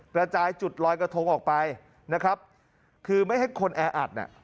กระจายจุดลอยกระทงออกไปนะครับคือไม่ให้คนแออัดน่ะ